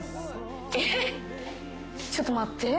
えっちょっと待って。